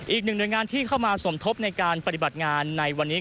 อีกหนึ่งหน่วยงานที่เข้ามาสมทบในการปฏิบัติงานในวันนี้